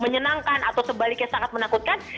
menyenangkan atau sebaliknya sangat menakutkan